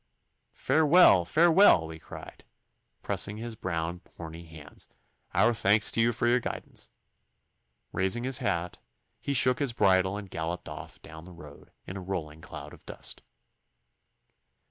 'Farewell, farewell!' we cried, pressing his brown horny hands; 'our thanks to you for your guidance.' Raising his hat, he shook his bridle and galloped off down the road in a rolling cloud of dust.